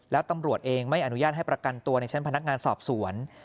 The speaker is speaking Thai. แล้วตำรวจเองไม่อนุญาตให้ประกันตัวในชั้นพนักงานสอบสวน